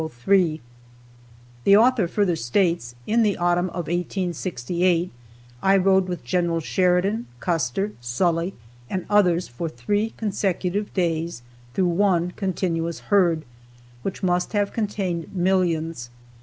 _ The author further says, "In the autumn of 1868 I rode with Generals Sheridan, Custer, Sully and others for three consecutive days through one continuous herd, which must have contained millions.